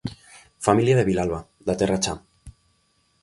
Familia de Vilalba, da Terra Chá.